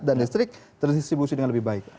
listrik terdistribusi dengan lebih baik